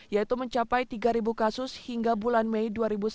yaitu mencapai tiga kasus hingga bulan mei dua ribu sembilan belas